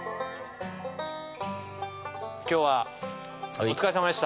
今日はお疲れさまでした。